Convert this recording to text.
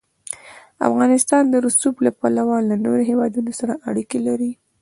افغانستان د رسوب له پلوه له نورو هېوادونو سره اړیکې لري.